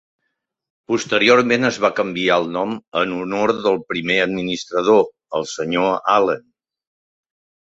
Posteriorment es va canviar el nom en honor del primer administrador, el senyor Allen.